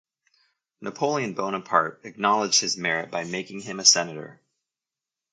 Napoleon Bonaparte acknowledged his merit by making him a senator.